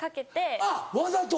あっわざと。